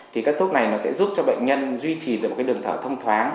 thì các thuốc này nó sẽ giúp cho bệnh nhân duy trì được một cái đường thở thông thoáng